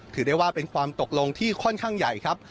ถือได้ว่าเป็นความตกลงที่ค่อนข้างใหญ่ครับ